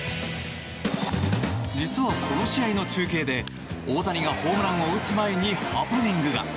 実はこの試合の中継で大谷がホームランを打つ前にハプニングが。